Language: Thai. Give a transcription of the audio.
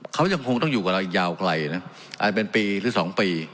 เขายังคงต้องอยู่กับเราอีกยาวไกลนะอาจจะเป็นปีหรือ๒ปี